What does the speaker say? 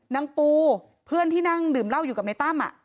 นางปูเพื่อนที่นั่งดื่มเหล้าอยู่กับในตั้ม